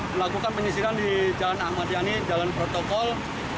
melakukan penyisiran di jalan ahmad yani jalan protokol